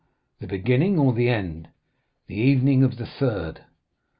"The beginning or the end?" "The evening of the 3rd."